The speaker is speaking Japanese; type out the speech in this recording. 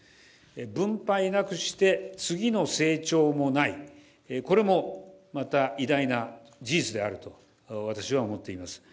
分配なくして、次の成長もないこれもまた、偉大な事実であると私は思っています。